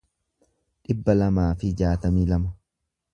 dhibba lamaa fi jaatamii lama